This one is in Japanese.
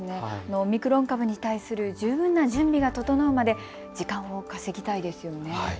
オミクロン株に対する十分な準備が整うまで時間を稼ぎたいですよね。